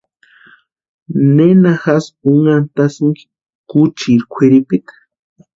¿Nena jásï únhantasïnki kuchiri kwʼiripita?